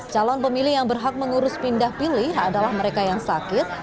calon pemilih yang berhak mengurus pindah pilih adalah mereka yang sakit